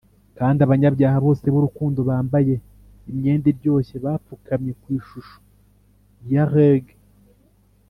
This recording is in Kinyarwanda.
kandi abanyabyaha bose b'urukundo bambaye imyenda iryoshye bapfukamye ku ishusho ya hyleg,